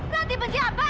ranti benci abang